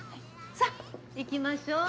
さっ行きましょう。